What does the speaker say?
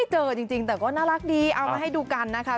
เจอจริงแต่ก็น่ารักดีเอามาให้ดูกันนะคะ